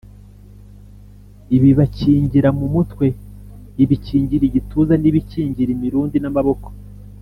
ibibakingira mu mutwe, ibikingira igituza n’ibikingira imirundi n’amaboko.